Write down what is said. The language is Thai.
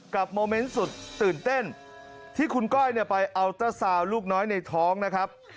โมเมนต์สุดตื่นเต้นที่คุณก้อยไปอัลเตอร์ซาวน์ลูกน้อยในท้องนะครับ